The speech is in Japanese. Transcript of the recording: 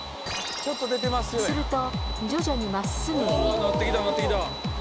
すると、徐々にまっすぐに。